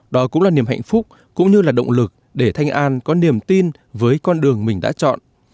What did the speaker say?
đó cũng là niềm hạnh phúc cũng như là động lực để thanh an có niềm tin với con đường mình đã chọn